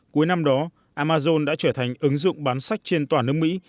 cuối năm đó amazon đã trở thành ứng dụng bán sách trên toàn nước mỹ